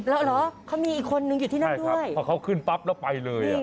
แล้วเหรอเขามีอีกคนนึงอยู่ที่นั่นใช่ครับพอเขาขึ้นปั๊บแล้วไปเลยอ่ะ